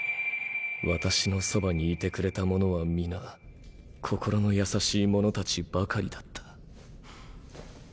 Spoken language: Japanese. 私のそばにいてくれた者は皆心の優しい者たちばかりだった。